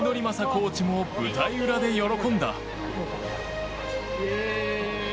コーチも舞台裏で喜んだ。